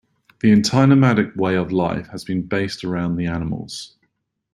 The entire nomadic way of life had been based around the animals.